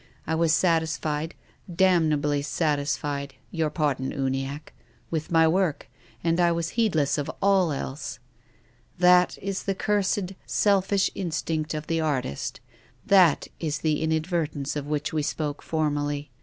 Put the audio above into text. I was satisfied, damnably satisfied — your pardon, Uniacke — with my work, and I was heedless of all else. That is the cursed, selfish instinct of the artist ; that is the inadver tence of which we spoke formerly.